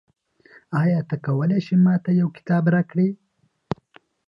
آیا ته کولای شې ما ته یو کتاب راکړې؟